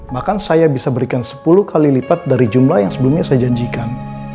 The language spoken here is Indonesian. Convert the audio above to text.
bahkan saya bisa berikan sepuluh kali lipat dari jumlah yang sebelumnya saya janjikan